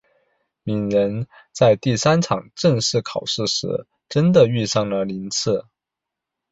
鸣人在第三场正式考试时真的遇上了宁次。